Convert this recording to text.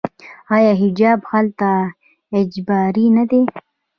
آیا حجاب هلته اجباري نه دی؟